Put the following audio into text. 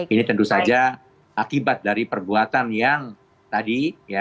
ini tentu saja akibat dari perbuatan yang tadi